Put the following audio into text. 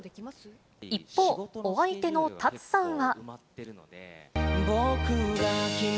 一方、お相手のタツさんは。